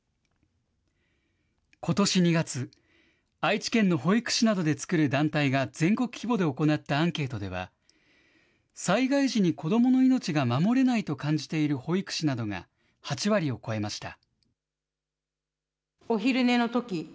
ことし２月、愛知県の保育士などで作る団体が全国規模で行ったアンケートでは、災害時に子どもの命が守れないと感じている保育士などが８割を超えました。